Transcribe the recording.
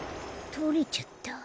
とれちゃった。